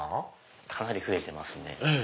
かなり増えてますね。